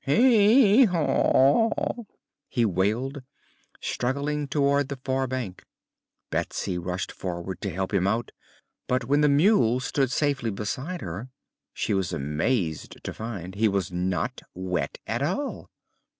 "Hee haw!" he wailed, struggling toward the far bank. Betsy rushed forward to help him out, but when the mule stood safely beside her she was amazed to find he was not wet at all.